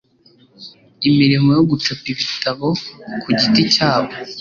imirimo yo gucapa ibitabo ku giti cyabo